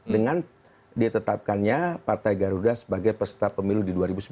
dengan ditetapkannya partai garuda sebagai peserta pemilu di dua ribu sembilan belas